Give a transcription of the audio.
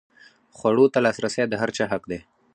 خوړو ته لاسرسی د هر چا حق دی.